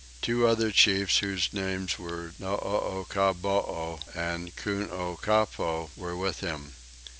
Two other chiefs whose names were Noocaboo and Kunocappo were with him.